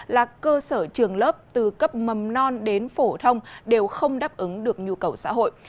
là cơ sở trường lớp từ cấp mầm non đến phổ thông đều không đáp ứng được nhu cầu xã hội